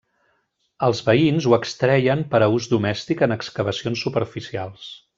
Els veïns ho extreien per a ús domèstic en excavacions superficials.